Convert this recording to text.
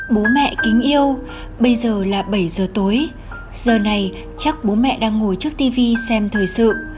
bố mẹ kính yêu bây giờ là bảy giờ tối giờ này chắc bố mẹ đang ngồi trước tv xem thời sự